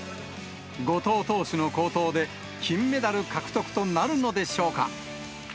後藤投手の好投で、金メダル獲得となるのでしょうか。